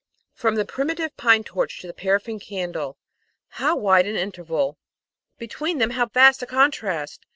From the primitive pine torch to the paraffin candle, how wide an interval! between them how vast a contrast!